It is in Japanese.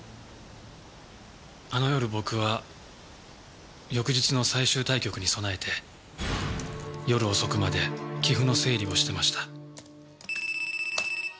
あの夜僕は翌日の最終対局に備えて夜遅くまで棋譜の整理をしてました。